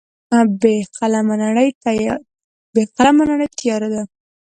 بې قلمه نړۍ تیاره ده.